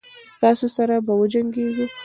ستاسي سره به وجنګیږو.